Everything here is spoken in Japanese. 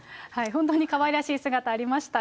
本当にかわいらしい姿ありました